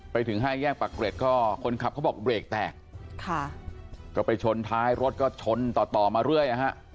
ไปถึงห้าแยกปากเกร็ดก็คนขับเขาบอกเบรกแตกค่ะก็ไปชนท้ายรถก็ชนต่อต่อมาเรื่อยนะฮะ